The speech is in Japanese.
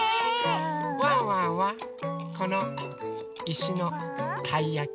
ワンワンはこのいしのたいやき。